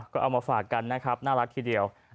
ก็เอามาฝากกันนะครับน่ารักทีเดียว